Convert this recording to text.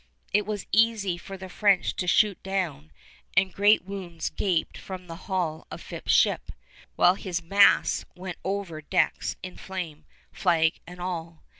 It was easy for the French to shoot down, and great wounds gaped from the hull of Phips' ship, while his masts went over decks in flame, flag and all.